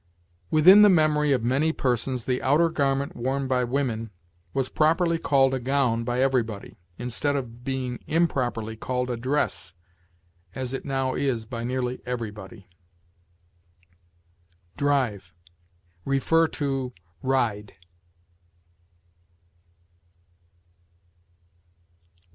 Within the memory of many persons the outer garment worn by women was properly called a gown by everybody, instead of being improperly called a dress, as it now is by nearly everybody. DRIVE. See RIDE.